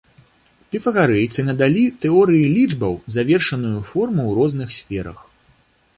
Піфагарэйцы надалі тэорыі лічбаў завершаную форму ў розных сферах.